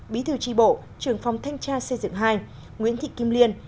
bí thư tri bộ trưởng phòng thanh tra xây dựng hai nguyễn thị kim liên